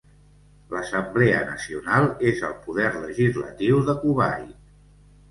L'Assemblea Nacional és el poder legislatiu de Kuwait.